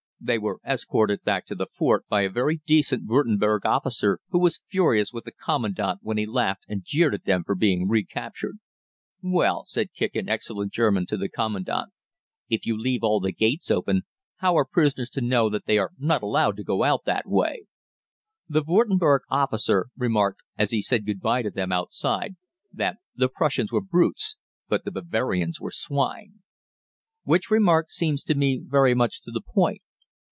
They were escorted back to the fort by a very decent Würtemberg officer, who was furious with the Commandant when he laughed and jeered at them for being recaptured. "Well," said Kicq in excellent German to the Commandant, "if you leave all the gates open, how are prisoners to know that they are not allowed to go out that way?" The Würtemberg officer remarked, as he said good bye to them outside, that "the Prussians were brutes, but the Bavarians were swine." Which remark seems to me very much to the point.